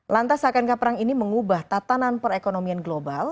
lantas akankah perang ini mengubah tatanan perekonomian global